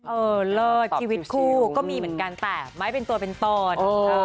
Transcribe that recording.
เออเลิศชีวิตคู่ก็มีเหมือนกันแต่ไม่เป็นตัวเป็นตอน